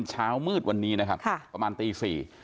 เช้ามืดวันนี้นะครับประมาณตี๔